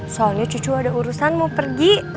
soalnya cucu ada urusan mau pergi